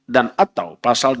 dan atau pasal dua belas i